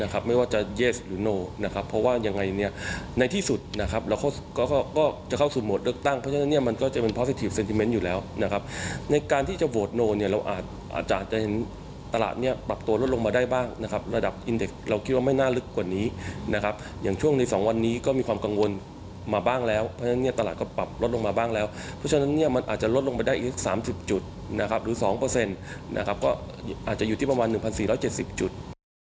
แต่หากรับร่างรัฐธรรมนูญดัชนีตลาดหุ้นไทยจะปรับแล้วลงประมาณ๓๐จุดหรือ๑๐๒อยู่ที่๑๔๗๐จุด